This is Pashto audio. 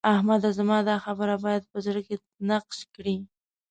احمده! دا زما خبره بايد په زړه کې نقش کړې.